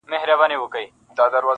ناګهانه یې د بخت کاسه چپه سوه-